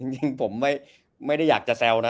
จริงผมไม่ได้อยากจะแซวนะ